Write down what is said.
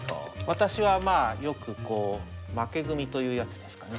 私はまあよくこう負け組というやつですかね。